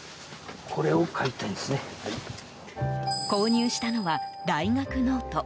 購入したのは大学ノート。